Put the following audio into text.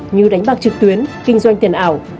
như đánh bạc trực tuyến kinh doanh tiền ảo